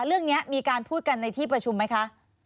เรื่องนี้มีการพูดกันในที่ประชุมไหมคะ